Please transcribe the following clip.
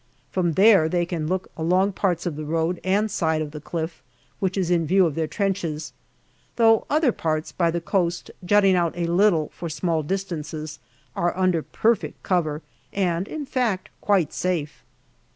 From there they can look along parts of the road and side of the cliff, which is in view of their trenches ; though other parts, by the coast, jutting out a little for small distances, are under perfect cover, and, in fact, quite safe.